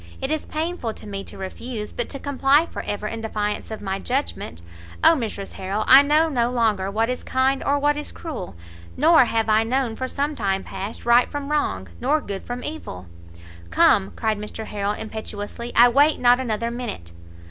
it is painful to me to refuse, but to comply for ever in defiance of my judgment Oh Mrs Harrel, I know no longer what is kind or what is cruel, nor have I known for some time past right from wrong, nor good from evil!" "Come," cried Mr Harrel impetuously, "I wait not another minute!"